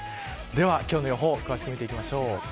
では、今日の予報詳しく見ていきましょう。